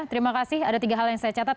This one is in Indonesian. terima kasih ada tiga hal yang saya catat